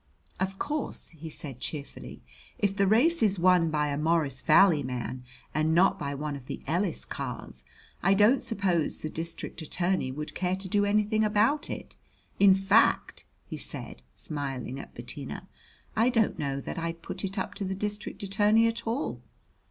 "Of course," he said cheerfully, "if the race is won by a Morris Valley man, and not by one of the Ellis cars, I don't suppose the district attorney would care to do anything about it. In fact," he said, smiling at Bettina, "I don't know that I'd put it up to the district attorney at all.